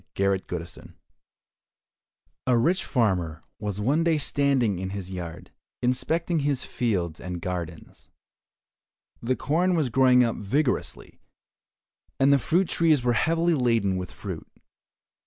195 The Grave Mound A rich farmer was one day standing in his yard inspecting his fields and gardens. The corn was growing up vigorously and the fruit trees were heavily laden with fruit.